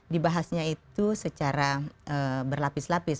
dibahasnya itu secara berlapis lapis